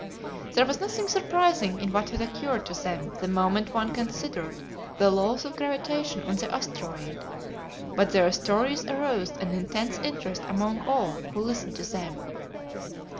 There was nothing surprising in what had occurred to them the moment one considered the laws of gravitation on the asteroid, but their stories aroused an intense interest among all who listened to them.